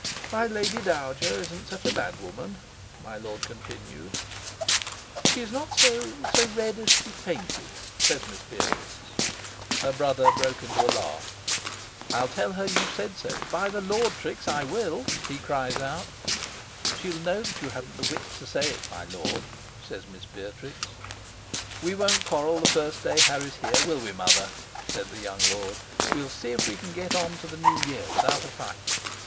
"My Lady Dowager isn't such a bad woman," my lord continued. "She's not so so red as she's painted," says Miss Beatrix. Her brother broke into a laugh. "I'll tell her you said so; by the Lord, Trix, I will," he cries out. "She'll know that you hadn't the wit to say it, my lord," says Miss Beatrix. "We won't quarrel the first day Harry's here, will we, mother?" said the young lord. "We'll see if we can get on to the new year without a fight.